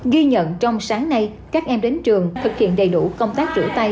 ghi nhận trong sáng nay các em đến trường thực hiện đầy đủ công tác rửa tay